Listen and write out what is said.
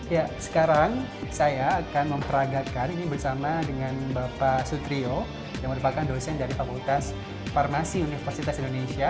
ya sekarang saya akan memperagakan ini bersama dengan bapak sutrio yang merupakan dosen dari fakultas farmasi universitas indonesia